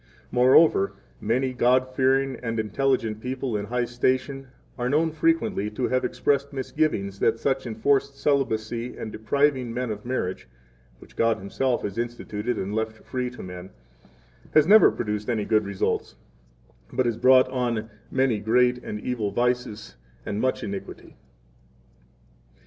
[Moreover, many God fearing and intelligent people in high station are known frequently to have expressed misgivings that such enforced celibacy and depriving men of marriage (which God Himself has instituted and left free to men) has never produced any good results, but has brought on many great and evil vices and much iniquity.